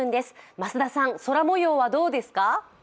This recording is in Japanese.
増田さん、空模様はどうですか？